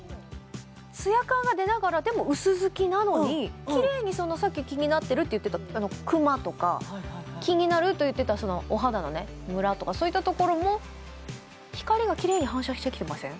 ツヤ感が出ながらでも薄づきなのにキレイにさっき気になってるって言ってたクマとか気になると言ってたお肌のねムラとかそういったところも光がキレイに反射してきてません？